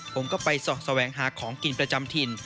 ผมก็ไปเสาะแสวงหาของกินประจำถิ่น